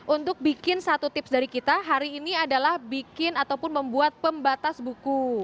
untuk bikin satu tips dari kita hari ini adalah bikin ataupun membuat pembatas buku